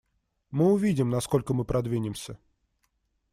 Мы увидим, насколько мы продвинемся.